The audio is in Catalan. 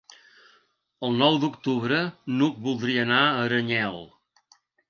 El nou d'octubre n'Hug voldria anar a Aranyel.